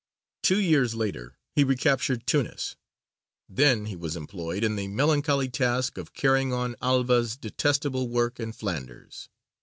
Two years later he recaptured Tunis. Then he was employed in the melancholy task of carrying on Alva's detestable work in Flanders.